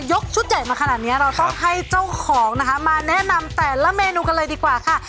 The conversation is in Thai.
ชุดใหญ่มาขนาดนี้เราต้องให้เจ้าของนะคะมาแนะนำแต่ละเมนูกันเลยดีกว่าค่ะ